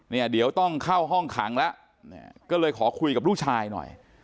เนี่ยเดี๋ยวต้องเข้าห้องขังแล้วก็เลยขอคุยกับลูกชายหน่อย